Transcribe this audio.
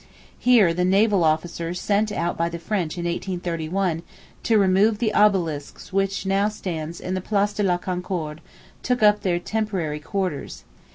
Here the naval officers sent out by the French in 1831 to remove the obelisk which now stands in the Place de la Concorde took up their temporary quarters.